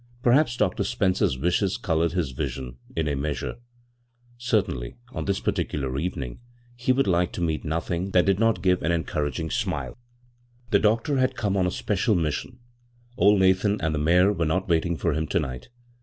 Perhaps Dr. Spli cer's wishes colored his vision, in a measure ; certainly on this particular evening he would like to meet nothing* that did not give an en couraging smile. The doctor had come on a special mis sion. Old Nathan and the mare were not watting for him to night.